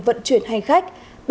vận chuyển hành khách